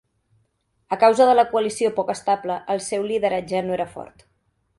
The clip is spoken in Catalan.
A causa de la coalició poc estable, el seu lideratge no era fort.